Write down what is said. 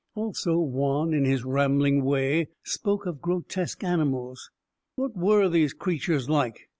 Also, Juan, in his rambling way, spoke of grotesque animals. What were these creatures like?